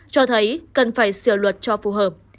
cho thấy cần phải sửa luật cho phù hợp